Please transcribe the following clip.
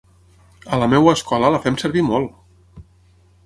A la meva escola la fem servir molt!